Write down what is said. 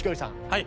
はい。